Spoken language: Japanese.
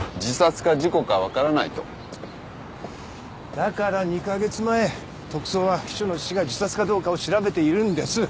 だから２カ月前特捜は秘書の死が自殺かどうかを調べているんです。